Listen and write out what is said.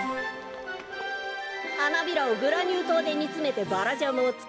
はなびらをグラニューとうでにつめてバラジャムをつくるよ。